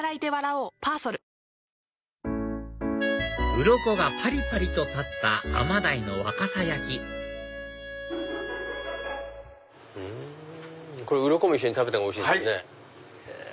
うろこがパリパリと立ったアマダイの若狭焼きこれうろこも一緒に食べた方がおいしいですよね。